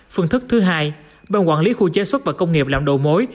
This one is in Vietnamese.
phương thức thứ hai bằng quản lý khu chế xuất và công nghiệp làm đầu mối